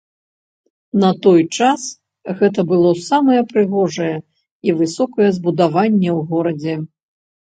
На той час гэта было самае прыгожае і высокае збудаванне ў горадзе.